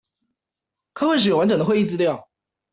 開會時有完整的會議資料